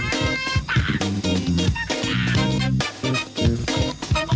ขอบคุณค่ะสวัสดีค่ะ